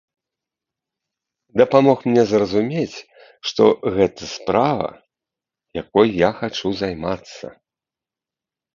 Дапамог мне зразумець, што гэта справа, якой я хачу займацца.